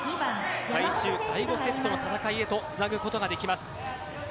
最終第５セットの戦いへとつなぐことができます。